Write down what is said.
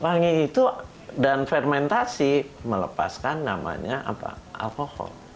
wangi itu dan fermentasi melepaskan namanya alkohol